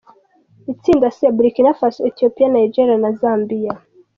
Itsinda C : Burkina Faso, Ethiopia, Nigeria, Zambia.